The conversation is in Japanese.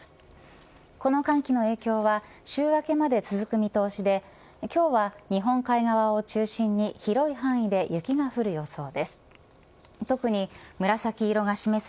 この寒気の影響は週明けまで続く見通しで、今日は日本海側を中心に広い範囲で雪が降る予想です。